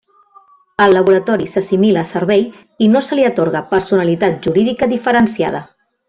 El Laboratori s'assimila a servei i no se li atorga personalitat jurídica diferenciada.